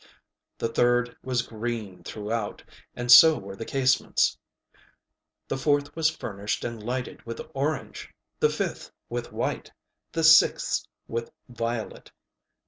The third was green throughout, and so were the casements. The fourth was furnished and lighted with orangeŌĆöthe fifth with whiteŌĆöthe sixth with violet.